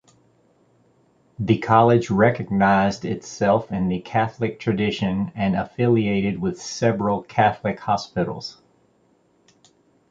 The College recognized itself in the Catholic tradition and affiliated with several Catholic hospitals.